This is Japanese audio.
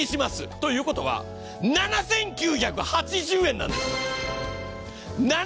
ということは７９８０円なんです。